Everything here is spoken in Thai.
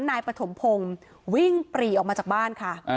นายปฐมพงศ์วิ่งปรีออกมาจากบ้านค่ะ